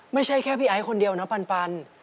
ไม่ใช่แค่พี่ไอ้คนเดียวนะปัน